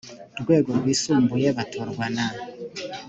rwego rwisumbuye batorwa na